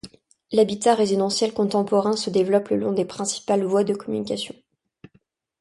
L'habitat résidentiel contemporain se développe le long des principales voies de communication.